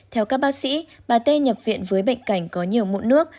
theo các bác sĩ bà t nhập viện với bệnh cảnh có nhiều mụn nước